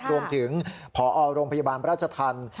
รวมถึงพอโรงพยาบาลราชธรรม